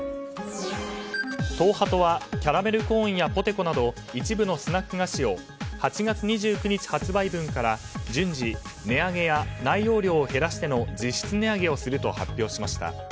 東ハトはキャラメルコーンやポテコなど一部のスナック菓子を８月２９日発売分から順次、値上げや内容量を減らしての実質値上げをすると発表しました。